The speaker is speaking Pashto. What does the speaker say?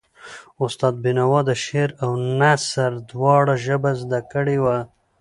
استاد بینوا د شعر او نثر دواړو ژبه زده کړې وه.